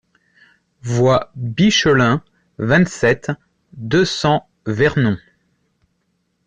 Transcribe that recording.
Voie Bichelin, vingt-sept, deux cents Vernon